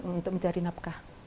untuk mencari napkah